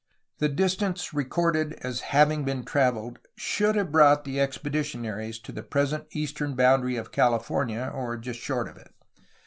The distance recorded as having been traveled should have brought the expeditionaries to the present eastern boundary of California, or just short of it.